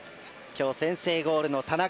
今日、先制ゴールの田中。